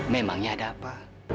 memangnya ada apa